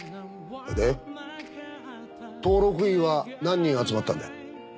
で登録医は何人集まったんだよ？